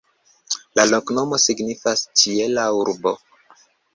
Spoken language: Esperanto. La loknomo signifas: "ĉiela urbo".